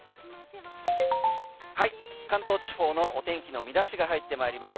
はい関東地方のお天気の見出しが入ってまいりました。